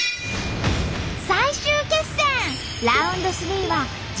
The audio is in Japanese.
最終決戦！